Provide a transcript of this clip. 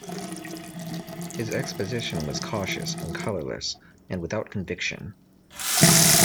His exposition was cautious and colourless, and without conviction.